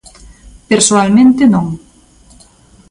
Persoalmente, non.